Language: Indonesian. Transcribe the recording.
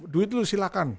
duit lu silahkan